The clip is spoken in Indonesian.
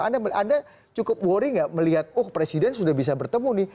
anda cukup worry gak melihat oh presiden sudah bisa bertemu nih